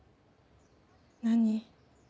何？